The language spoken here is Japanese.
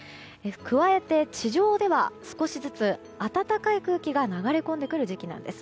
加えて地上では少しずつ暖かい空気が流れ込んでくる時期なんです。